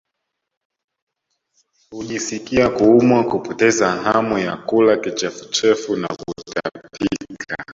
Hujisikia kuumwa kupoteza hamu ya kula kichefuchefu na kutapika